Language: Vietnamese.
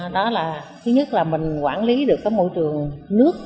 đó là thứ nhất là mình quản lý được cái môi trường nước